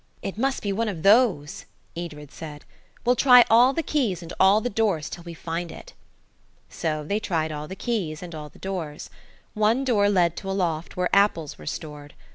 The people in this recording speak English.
"It must be one of those," Edred said. "We'll try all the keys and all the doors till we find it." So they tried all the keys and all the doors. One door led to a loft where apples were stored.